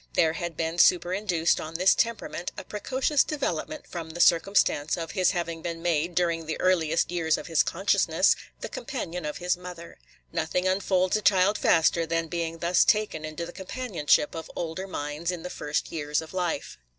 There had been superinduced on this temperament a precocious development from the circumstance of his having been made, during the earliest years of his consciousness, the companion of his mother. Nothing unfolds a child faster than being thus taken into the companionship of older minds in the first years of life.